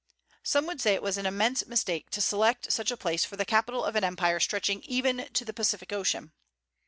Some would say it was an immense mistake to select such a place for the capital of an empire stretching even to the Pacific ocean.